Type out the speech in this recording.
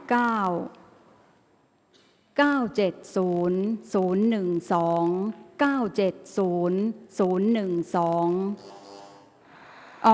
อ๋อรวัลที่๕ครั้งที่๑๙